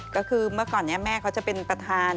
ก็คือเมื่อก่อนนี้แม่เขาจะเป็นประธาน